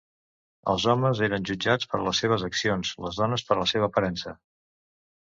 Els homes eren jutjats per les seves accions, les dones per la seva aparença.